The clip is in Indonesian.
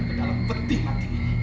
kedalam peti mati ini